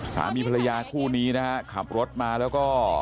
สามีภรรยาคู่นี้นะฮะขับรถมาแล้วก็